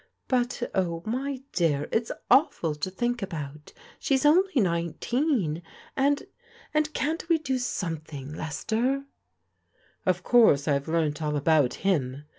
"But oh, my dear, it's awful to think about. She's only nine teen, and — ^and can't we do something, Lester?" " Of course I've learnt all about him.